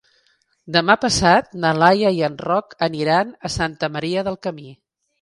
Demà passat na Laia i en Roc aniran a Santa Maria del Camí.